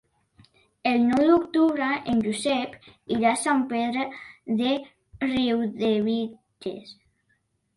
El nou d'octubre en Josep irà a Sant Pere de Riudebitlles.